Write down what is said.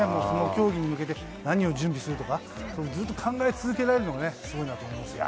競技に向けて何を準備するとか、ずっと考え続けられるのがすごいなと思いますよね。